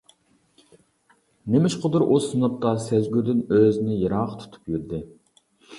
نېمىشقىدۇر ئۇ سىنىپتا سەزگۈردىن ئۆزىنى يىراق تۇتۇپ يۈردى.